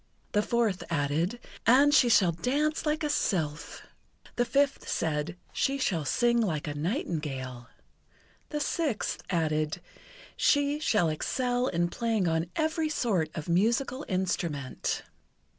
The fourth added: "And she shall dance like a sylph." The fifth said: "She shall sing like a nightingale." The sixth added: "She shall excel in playing on every sort of musical instrument."